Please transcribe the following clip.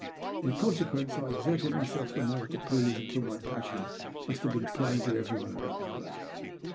In consequence, I exerted myself the more to please until my passion most have been plain to everyone about the place.